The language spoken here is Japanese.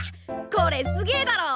これすげえだろ。